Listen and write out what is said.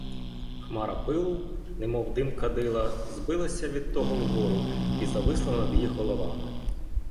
Хмара пилу, немов дим кадила, збилася від того вгору і зависла над їх головами.